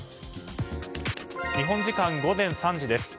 日本時間午前３時です。